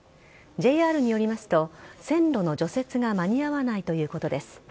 ＪＲによりますと、線路の除雪が間に合わないということです。